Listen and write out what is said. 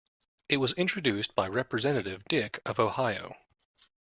It was introduced by Representative Dick of Ohio.